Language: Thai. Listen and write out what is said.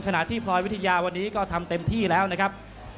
ขณะที่พลอยวิทยาวันนี้ก็ทำเต็มที่แล้วนะครับ